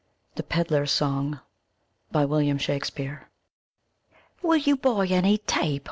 THE PEDLAR'S SONG William Shakespeare Will you buy any tape.